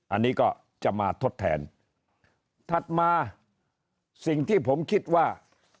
อันนี้ก็จะมาทดแทนถัดมาสิ่งที่ผมคิดว่า